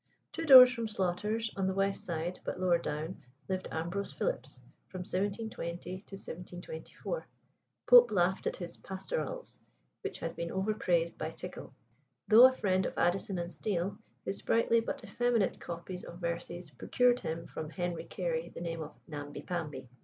Two doors from Slaughter's, on the west side, but lower down, lived Ambrose Philips, from 1720 to 1724. Pope laughed at his "Pastorals," which had been overpraised by Tickell. Though a friend of Addison and Steele, his sprightly but effeminate copies of verses procured him from Henry Carey the name of "Namby Pamby."